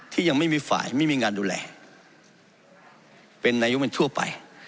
ยังไม่มีฝ่ายไม่มีงานดูแลเป็นนายกมันทั่วไป